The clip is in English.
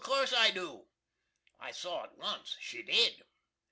Of course I do." I saw at once she did.